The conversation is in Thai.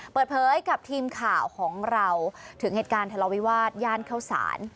เปิดเผยกับทีมข่าวของเราถึงเหตุการณ์ทะเลาวิวาสย่านเข้าสาร